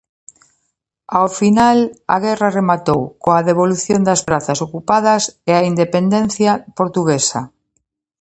Ao final a guerra rematou coa devolución das prazas ocupadas e a independencia portuguesa.